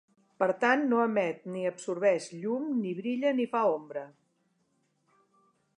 Per tant no emet ni absorbeix llum ni brilla ni fa ombra.